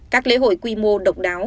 các lễ hội quy mô độc đáo